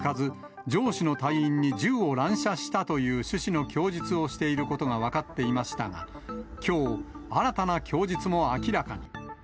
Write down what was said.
男が、人間関係がうまくいかず、上司の隊員に銃を乱射したという趣旨の供述をしていることが分かっていましたが、きょう、新たな供述も明らかに。